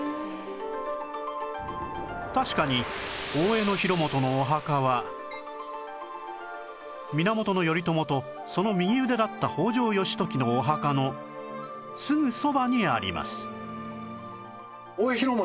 確かに大江広元のお墓は源頼朝とその右腕だった北条義時のお墓のすぐそばにあります